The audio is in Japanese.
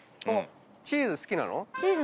あっチーズ好きなの？